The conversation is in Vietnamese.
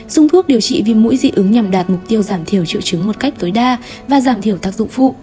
dùng thuốc điều trị viêm mũi dị ứng nhằm đạt mục tiêu giảm thiểu triệu chứng một cách tối đa và giảm thiểu tác dụng phụ